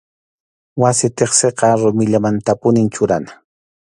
Wasi tiqsiqa rumillamantapunim churana.